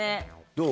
どう？